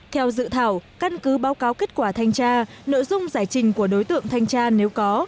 theo dự thảo căn cứ báo cáo kết quả thanh tra nội dung giải trình của đối tượng thanh tra nếu có